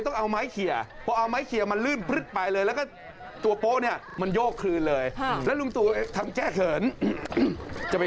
ก็ไม่ได้มีความสุขนะวันนี้ต่อไป